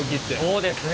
そうですね。